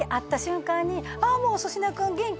「ああもう粗品君元気？」